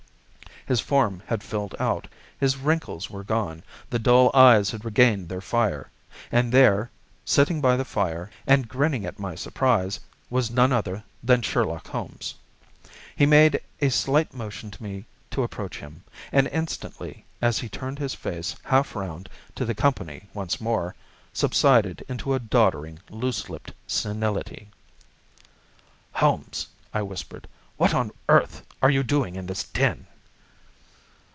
His form had filled out, his wrinkles were gone, the dull eyes had regained their fire, and there, sitting by the fire and grinning at my surprise, was none other than Sherlock Holmes. He made a slight motion to me to approach him, and instantly, as he turned his face half round to the company once more, subsided into a doddering, loose lipped senility. "Holmes!" I whispered, "what on earth are you doing in this den?"